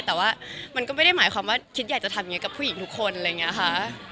แต่ว่ามันก็ไม่ได้หมายความว่าคิดอยากจะทำอย่างนี้กับผู้หญิงทุกคนอะไรอย่างนี้ค่ะ